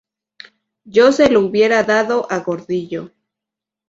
Yo se lo hubiera dado a Gordillo.